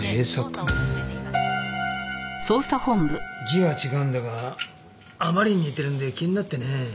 字は違うんだがあまりに似てるんで気になってね。